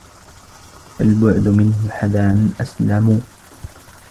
فَالْبُعْدُ مِنْهُ حَذَرًا أَسْلَمُ